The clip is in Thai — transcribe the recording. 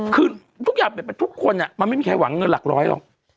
คือทุกอย่างทุกคนมันไม่มีใครหวังเงินหลักร้อยหรอก